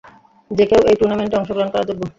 যে কেউ এই টুর্নামেন্টে অংশগ্রহণ করার যোগ্য।